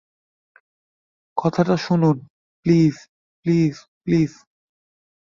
কথাটা শুনুন, please, please, please.